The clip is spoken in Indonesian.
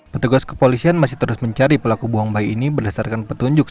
petugas kepolisian masih terus mencari pelaku buang bayi ini berdasarkan petunjuk